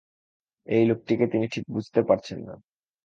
এই লোকটিকে তিনি ঠিক বুঝতে পারছেন না।